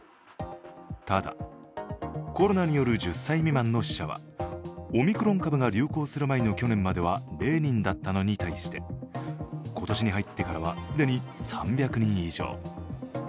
ただ、コロナによる１０歳未満の死者はオミクロン株が流行する前の去年までは０人だったのに対して今年に入ってからは既に３００人以上。